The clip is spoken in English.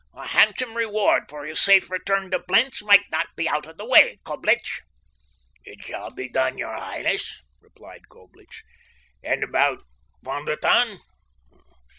A handsome reward for his safe return to Blentz might not be out of the way, Coblich." "It shall be done, your highness," replied Coblich. "And about Von der Tann?